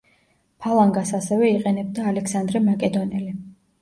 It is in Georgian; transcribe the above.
ფალანგას ასევე იყენებდა ალექსანდრე მაკედონელი.